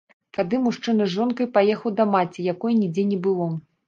Тады мужчына з жонкай паехаў да маці, якой нідзе не было.